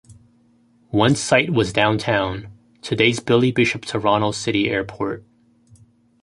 One site was downtown, today's Billy Bishop Toronto City Airport.